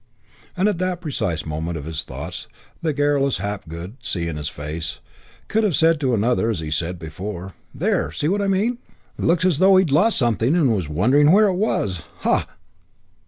And at that precise moment of his thoughts, the garrulous Hapgood, seeing his face, could have said to another, as he said before, "There! See what I mean? Looks as though he'd lost something and was wondering where it was. Ha!"